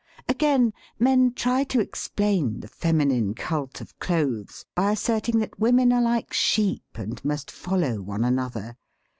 Again, men try to explain the feminine cult of clothes by asserting that women are Uke sheep and must follow one another.